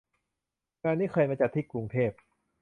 งานนี้เคยมาจัดที่กรุงเทพ